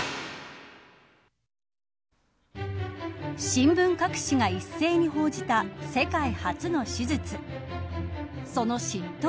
新聞各紙が一斉に報じた世界初の手術その執刀